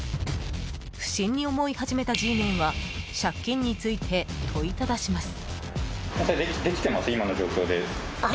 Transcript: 不審に思い始めたＧメンは借金について問いただします。